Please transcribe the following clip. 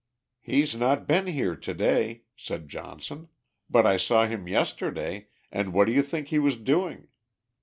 "He's not been here to day," said Johnson; "but I saw him yesterday, and what do you think he was doing?